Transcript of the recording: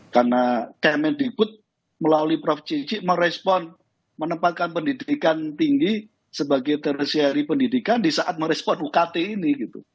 karena kementerian pendidikan melalui prof cicik merespon menempatkan pendidikan tinggi sebagai tertiari pendidikan di saat merespon ukt ini